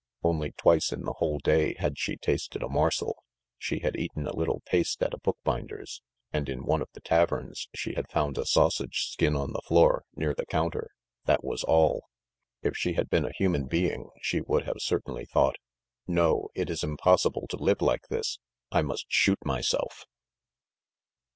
Only twice in the whole day had she tasted a morsel: she had eaten a little paste at the bookbinder's, and in one of the taverns she had found a sausage skin on the floor, near the counter that was all. If she had been a human being she would have certainly thought: "No, it is impossible to live like this! I must shoot myself!"